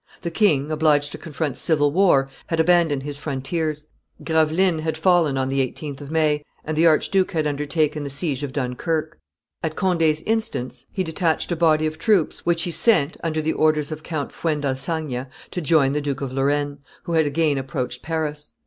The king, obliged to confront civil war, had abandoned his frontiers; Gravelines had fallen on the 18th of May, and the arch duke had undertaken the siege of Dunkerque. At Conde's instance, he detached a body of troops, which he sent, under the orders of Count Fuendalsagna, to join the Duke of Lorraine, who had again approached Paris.